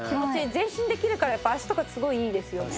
全身できるからやっぱ足とかすごいいいですよね。